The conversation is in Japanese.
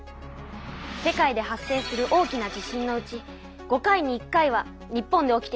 世界で発生する大きな地震のうち５回に１回は日本で起きているのよ。